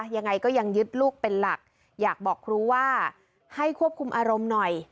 ยังไงก็ยังยึดลูกเป็นหลักอยากบอกครูว่าให้ควบคุมอารมณ์หน่อย